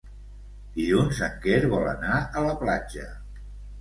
Dilluns en Quer vol anar a la platja.